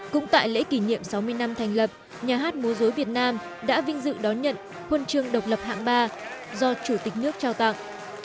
cũng tại lễ kỷ niệm sáu mươi năm thành lập nhà hát múa dối việt nam đã vinh dự đón nhận huân chương độc lập hạng ba do chủ tịch nước trao tặng